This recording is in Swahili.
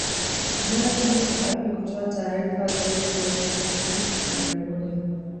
Vyanzo hivyo havikutoa taarifa zaidi juu ya shambulizi la karibuni